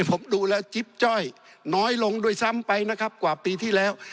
ผมดูแล้วจิ๊บจ้อยน้อยลงด้วยซ้ำไปนะครับกว่าปีที่แล้ว